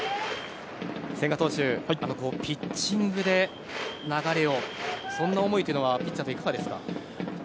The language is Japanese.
千賀投手、ピッチングで流れをそんな思いというのはピッチャーはいかがですか？